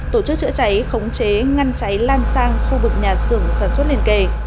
tổ chức chữa cháy khống chế ngăn cháy lan sang khu vực nhà xưởng sản xuất liên kề